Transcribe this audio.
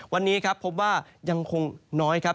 วันนี้ครับพบว่ายังคงน้อยครับ